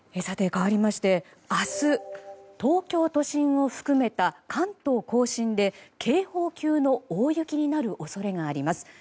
さて、かわりまして明日、東京都心を含めた関東・甲信で警報級の大雪になる恐れがあります。